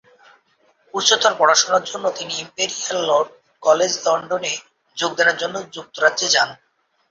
উচ্চতর পড়াশুনার জন্য তিনি ইম্পেরিয়াল কলেজ লন্ডনে যোগদানের জন্য যুক্তরাজ্যে যান।